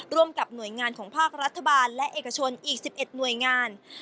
ร่วมกับหน่วยงานของภาครัฐบาลและเอกชนอีก๑๑หน่วยงาน